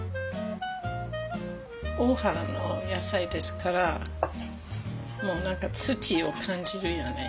大原の野菜ですから土を感じるよね。